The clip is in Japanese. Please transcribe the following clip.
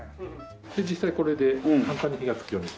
実際これで簡単に火がつくように。